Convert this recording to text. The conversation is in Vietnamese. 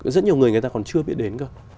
rất nhiều người người ta còn chưa biết đến cơ